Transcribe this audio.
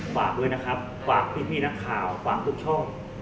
ฝากด้วยนะครับฝากพี่นักข่าวฝากทุกช่อง